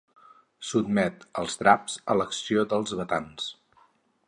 Sotmet els draps a l'acció dels batans.